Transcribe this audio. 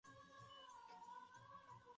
শিশুদের ভাগ্য নিয়ে, আমরা সবাই বেশ হতাশ ছিলাম।